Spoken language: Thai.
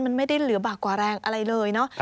มันไม่ได้เหลือบากกว่าแรงอะไรเลยเนาะ